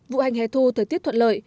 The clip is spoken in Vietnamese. vụ hành hẻ thu thời tiết thuận lợi